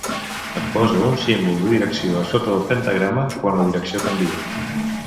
Es posa un símbol de direcció a sota del pentagrama quan la direcció canvia.